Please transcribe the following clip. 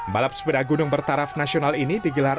balap sepeda gunung bertaraf nasional ini digelar